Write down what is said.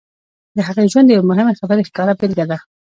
د هغې ژوند د یوې مهمې خبرې ښکاره بېلګه ده